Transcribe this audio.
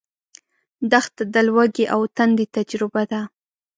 دښته د لوږې او تندې تجربه ده.